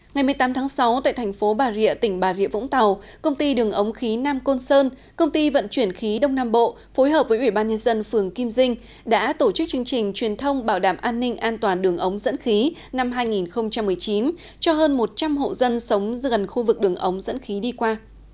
ngày một mươi tám tháng sáu tại thành phố bà rịa tỉnh bà rịa vũng tàu công ty đường ống khí nam côn sơn công ty vận chuyển khí đông nam bộ phối hợp với ủy ban nhân dân phường kim dinh đã tổ chức chương trình truyền thông bảo đảm an ninh an toàn đường ống dẫn khí năm hai nghìn một mươi chín cho hơn một trăm linh hộ dân sống gần khu vực đường ống dẫn khí đi qua